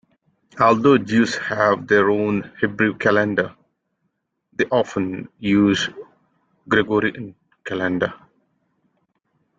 Although Jews have their own Hebrew calendar, they often use the Gregorian calendar.